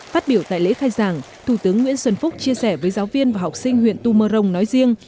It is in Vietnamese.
phát biểu tại lễ khai giảng thủ tướng nguyễn xuân phúc chia sẻ với giáo viên và học sinh huyện tu mơ rông nói riêng